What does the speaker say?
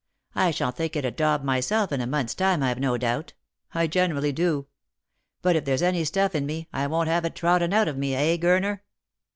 I shall think it a daub myself in a month's time, I've no doubt. I generally do. But if there's any stuff in me, I won't have it trodden out of me, eh, Gurner